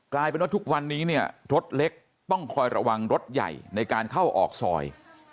กลายเป็นว่าทุกวันนี้เนี่ยรถเล็กต้องคอยระวังรถใหญ่ในการเข้าออกซอย